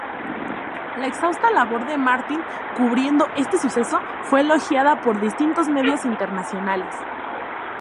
La exhaustiva labor de Martin cubriendo este suceso fue elogiada por distintos medios internacionales.